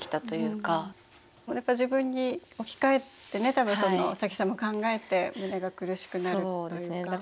自分に置き換えてね多分早紀さんも考えて胸が苦しくなるというか。